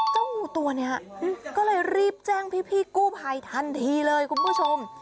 งูตัวนี้ก็เลยรีบแจ้งพี่กู้ภัยทันทีเลยคุณผู้ชม